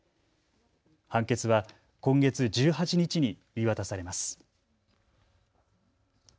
判決は今月１８日に言い渡されます。